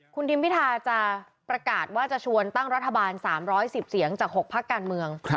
คุณทิมพิธาจะประกาศว่าจะชวนตั้งรัฐบาล๓๑๐เสียงจาก๖พักการเมือง